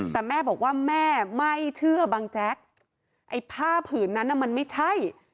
แต่แม่บอกว่าแม่ไม่เชื่อบังแจ๊กไอ้ผ้าผืนนั้นมันไม่ใช่